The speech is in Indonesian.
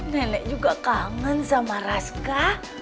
nenek juga kangen sama raska